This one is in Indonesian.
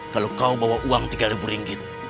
kalau kau bawa uang tiga ribu ringgit